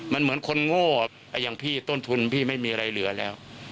มันเหมือนคนโง่อย่างพี่ต้นทุนพี่ไม่มีอะไรเหลือแล้ว